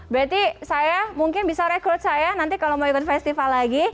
berarti saya mungkin bisa rekrut saya nanti kalau mau event festival lagi